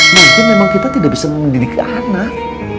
mungkin memang kita tidak bisa mendidik anak